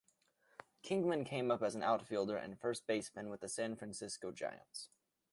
Kingman came up as an outfielder and first baseman with the San Francisco Giants.